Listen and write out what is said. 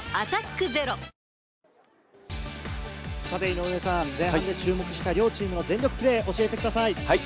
井上さん、前半注目した両チーム全力プレーを教えてください。